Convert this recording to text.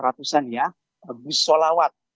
ini adalah perhubungan yang diperlukan oleh bussolawat